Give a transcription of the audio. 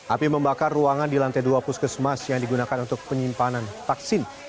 api membakar ruangan di lantai dua puskesmas yang digunakan untuk penyimpanan vaksin